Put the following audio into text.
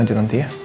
lanjut nanti ya